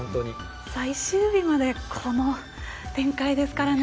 最終日までこの展開ですからね。